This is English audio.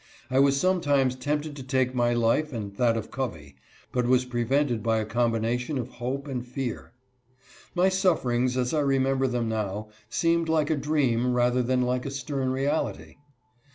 I was sometimes tempted to ^ake_jny^life and jjiat _oi Covgy^but was prevented by a combination of hope and fear. My suffer ings, as I remember them now, seem like a dream rather than like a stern reality.